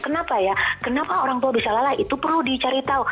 kenapa ya kenapa orang tua bisa lalai itu perlu dicari tahu